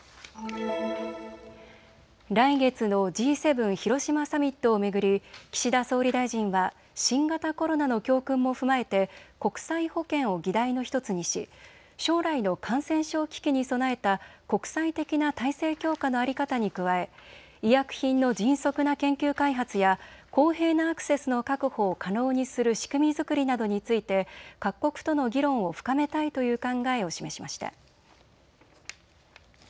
来月のＧ７広島サミットを巡り岸田総理大臣は新型コロナの教訓も踏まえて国際保健を議題の１つにし将来の感染症危機に備えた国際的な体制強化の在り方に加え医薬品の迅速な研究開発や公平なアクセスの確保を可能にする仕組み作りなどについて各国との議論を深めたいという考えを示しました。